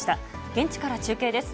現地から中継です。